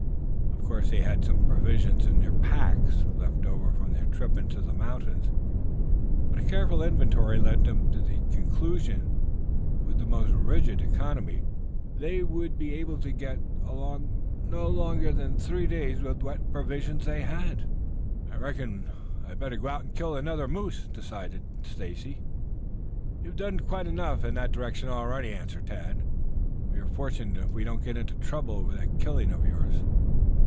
Of course they had some provisions in their packs, left over from their trip into the mountains, but a careful inventory led them to the conclusion that, with the most rigid economy, they would be able to get along not longer than three days with what provisions they still had. "I reckon I had better go out and kill another moose," decided Stacy Brown. "You have done quite enough in that direction already," answered Tad. "We are fortunate if we don't get into trouble over that killing of yours."